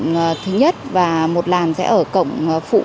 một làn sẽ ở cổng thứ nhất và một làn sẽ ở cổng phụ